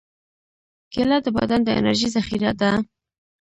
کېله د بدن د انرژۍ ذخیره ده.